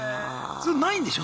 それないんでしょ？